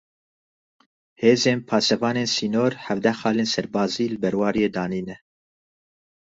Hêzên Pasevanên Sînor hevdeh xalên serbazî li Berwariyê danîne.